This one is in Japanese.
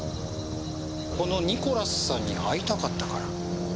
このニコラスさんに会いたかったから。